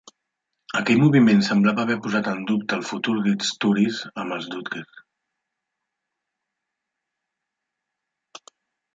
Aquell moviment semblava haver posat en dubte el futur d'Izturis amb els Dodgers.